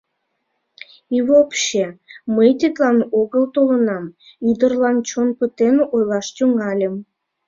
И, вообще, мый тидлан огыл толынам, — ӱдырлан чон пытен ойлаш тӱҥальым.